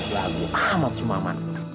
lagu amat sumaman